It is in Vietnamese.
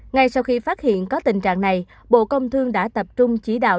ngay sau khi phát hiện có tình trạng này bộ công thương đã tập trung chỉ đạo